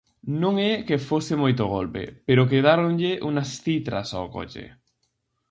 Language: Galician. Non é que fose moito golpe, pero quedáronlle unhas citras ao coche.